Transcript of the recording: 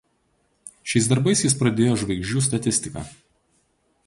Šiais darbais jis pradėjo žvaigždžių statistiką.